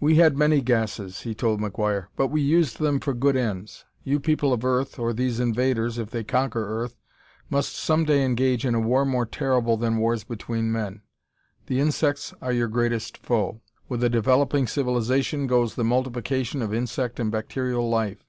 "We had many gases," he told McGuire, "but we used them for good ends. You people of Earth or these invaders, if they conquer Earth must some day engage in a war more terrible than wars between men. The insects are your greatest foe. With a developing civilization goes the multiplication of insect and bacterial life.